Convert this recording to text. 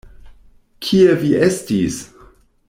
Kie vi estis?